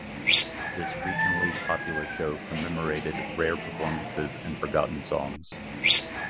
This regionally popular show commemorated rare performances and forgotten songs.